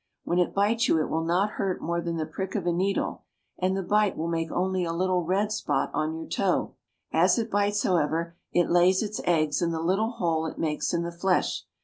When it bites you it will not hurt more than the prick of a needle, and the bite will make only a little red spot on your toe. As it bites, however, it lays its eggs in the little hole it makes in the flesh.